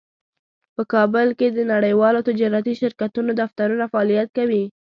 په کابل کې د نړیوالو تجارتي شرکتونو دفترونه فعالیت کوي